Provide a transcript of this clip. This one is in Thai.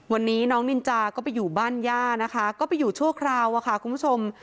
วันนี้น้องนินจาก็ไปอยู่บ้านย่านะคะก็ไปอยู่ชั่วคราวอะค่ะคุณผู้ชม